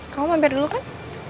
kamu mampir dulu kan